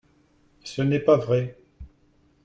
Ce n’est pas vrai